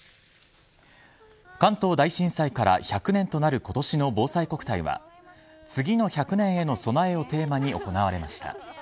関東大震災から１００年となる今年のぼうさいこくたいは次の１００年への備えをテーマに行われました。